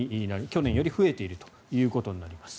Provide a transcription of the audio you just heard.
去年より増えているということになります。